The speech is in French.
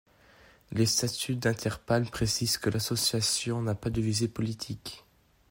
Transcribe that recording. Les statuts d’Interpal précisent que l’association n’a pas de visée politique.